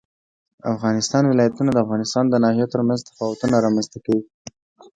د افغانستان ولايتونه د افغانستان د ناحیو ترمنځ تفاوتونه رامنځ ته کوي.